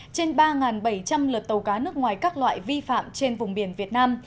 trên ba bảy trăm linh lượt tàu cá nước ngoài các loại vi phạm trên vùng biển việt nam